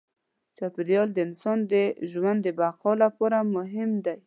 چاپېریال د انسان د ژوند د بقا لپاره مهم دی.